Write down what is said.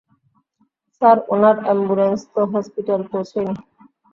Sir উনার ambulance তো hospital পৌছেই নি।